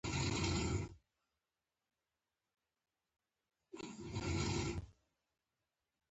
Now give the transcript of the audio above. په وروستیو کلونو کې زیاتره هندوانو او سیکانو